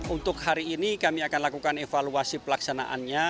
untuk hari ini kami akan lakukan evaluasi pelaksanaannya